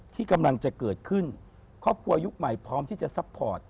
ที่กำลังจะเกิดขึ้นครอบครัวยุคใหม่พร้อมที่จะซัพพอร์ต